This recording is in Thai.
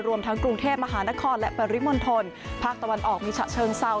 รวมทั้งกรุงเทพมหานครและปริมณฑลภาคตะวันออกมีฉะเชิงเซา